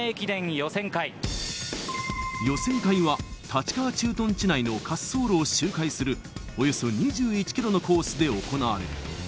予選会は、立川駐屯地内の滑走路を周回する、およそ２１キロのコースで行われる。